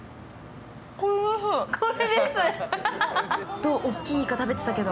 どう、大きいいか食べてたけど？